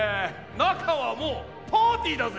中はもうパーティーだぜ！